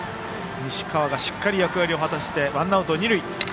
西川がしっかり役割を果たしてワンアウト、二塁。